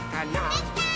できたー！